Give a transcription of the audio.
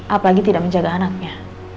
apalagi tidak menjaga anaknya